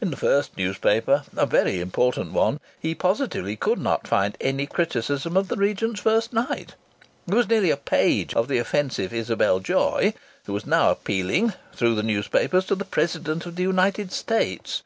In the first newspaper, a very important one, he positively could not find any criticism of the Regent's first night. There was nearly a page of the offensive Isabel Joy, who was now appealing, through the newspapers, to the President of the United States.